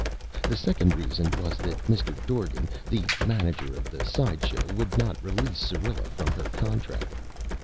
The second reason was that Mr. Dorgan, the manager of the side show, would not release Syrilla from her contract.